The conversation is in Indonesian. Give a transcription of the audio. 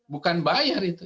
bukan bayar itu